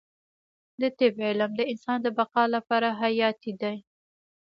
د طب علم د انسان د بقا لپاره حیاتي دی